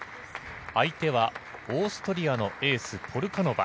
相手はオーストリアのエース、ポルカノバ。